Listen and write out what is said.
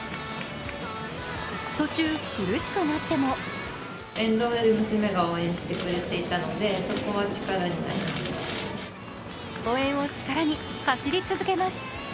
途中、苦しくなっても応援を力に走り続けます。